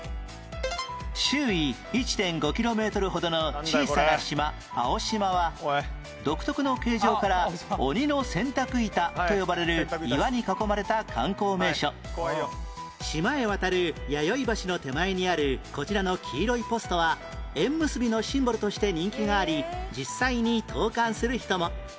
周囲 １．５ キロメートルほどの小さな島青島は独特の形状から鬼の洗濯板と呼ばれる岩に囲まれた観光名所島へ渡る弥生橋の手前にあるこちらの黄色いポストは縁結びのシンボルとして人気があり実際に投函する人も